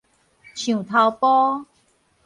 象頭埔